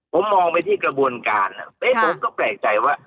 ผมมองไปที่กระบวนการผมก็แปลกใจว่า